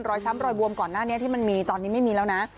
ช้ำรอยบวมก่อนหน้านี้ที่มันมีตอนนี้ไม่มีแล้วนะ